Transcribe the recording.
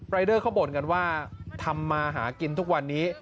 เดอร์เขาบ่นกันว่าทำมาหากินทุกวันนี้